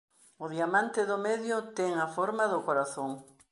O diamante do medio ten a forma do corazón.